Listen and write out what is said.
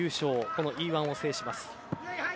このＥ‐１を制します。